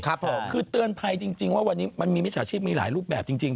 คือเตือนภัยจริงว่าวันนี้มันมีมิจฉาชีพมีหลายรูปแบบจริง